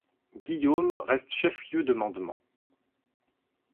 Guillaumes reste chef-lieu de mandement.